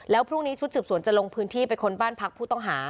แล้วพรุ่งนี้ชุดสืบสวนจะลงพื้นที่ไปค้นบ้านพักผู้ต้องหา